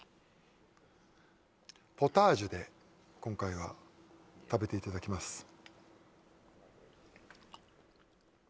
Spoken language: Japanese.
ポタージュで今回は食べていただきます